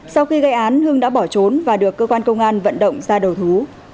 sau khi gây án hưng đã bỏ trốn và được cơ quan công an vận động ra đầu thú